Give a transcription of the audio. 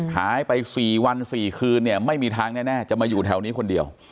หายไป๔วัน๔คืนเนี่ยไม่มีทางแน่จะมาอยู่แถวนี้คนเดียว